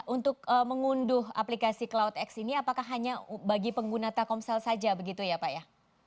untuk mengunduh aplikasi cloudx ini apakah hanya bagi pengguna telkomsel saja begitu ya pak ya